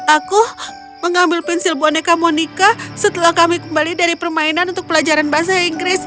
aku mengambil pensil boneka monica setelah kami kembali dari permainan untuk pelajaran bahasa inggris